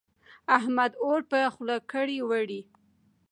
احمد اور په خوله کړې وړي.